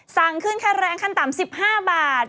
สั่งขึ้นค่าแรงขั้นต่ำ๑๕บาท